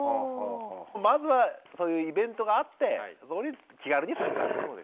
まずはそういうイベントがあってそこに気軽に参加する。